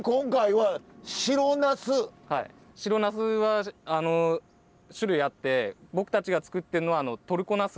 はい白なすは種類あって僕たちが作ってるのはトルコナス。